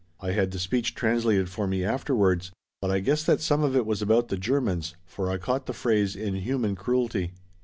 I had the speech translated for me afterwards but I guessed that some of it was about the Germans, for I caught the phrase "inhuman cruelty."